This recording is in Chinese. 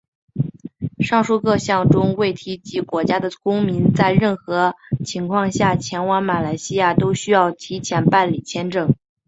上述各项中未提及国家的公民在任何情况下前往马来西亚都需要提前办理签证。